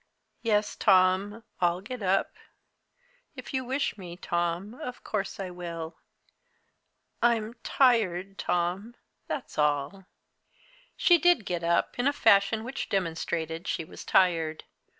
"Yes, Tom, I'll get up. If you wish me, Tom, of course I will. I'm tired, Tom that's all." She did get up, in a fashion which demonstrated she was tired.